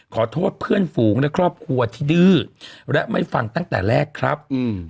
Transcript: ขอโทษเพื่อนฝูงและครอบครัวที่ดื้อและไม่ฟังตั้งแต่แรกครับ